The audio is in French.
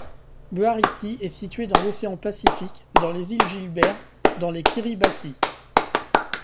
Buariki est située dans l'océan Pacifique, dans les îles Gilbert, dans les Kiribati.